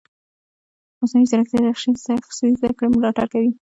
مصنوعي ځیرکتیا د شخصي زده کړې ملاتړ کوي.